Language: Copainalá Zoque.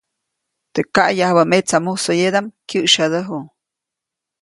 Teʼ kaʼyajubä metsa musoyedaʼm, kyäʼsyadäju.